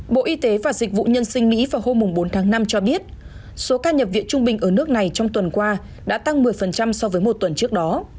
bộ y tế và dịch vụ nhân sinh mỹ vào hôm bốn tháng năm cho biết số ca nhập viện trung bình ở nước này trong tuần qua đã tăng một mươi so với một tuần trước đó